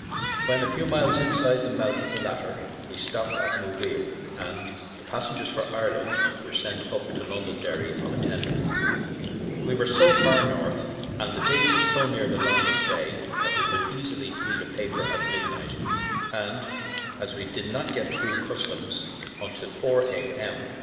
When a few miles 2 NEW YORK TO LONDONDERRY inside the mouth of the latter, we stopped at Moville and the passengers for Ireland were sent up to Londonderry on a tender. We were so far north and the date was so near the longest day that we could easily read a paper at midnight, and as we did not get through the custom house until 4 A.M.